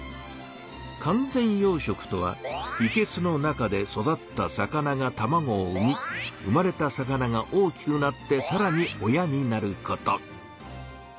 「完全養しょく」とはいけすの中で育った魚がたまごを産み生まれた魚が大きくなってさらに親になること。